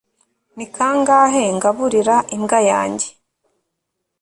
ni kangahe ngaburira imbwa yanjye